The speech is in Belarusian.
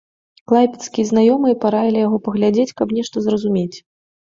Клайпедскія знаёмыя параілі яго паглядзець, каб нешта зразумець.